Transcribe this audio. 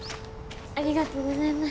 ありがとうございます。